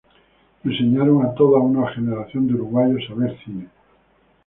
Enseñaron a toda una generación de uruguayos a ver cine.